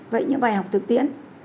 vậy những bài học thực tiễn